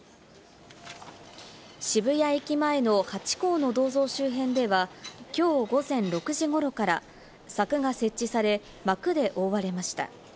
渋谷駅前のハチ公の銅像周辺ではきょう午前６時ごろから柵が設置され、幕で覆われました。